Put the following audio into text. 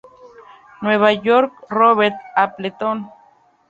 Nueva York: Robert Appleton.